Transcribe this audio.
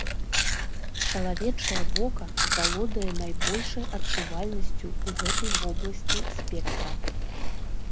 Чалавечае вока валодае найбольшай адчувальнасцю ў гэтай вобласці спектра.